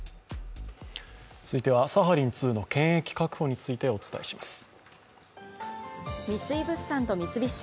続いては、サハリン２の権益確保についてお伝えします。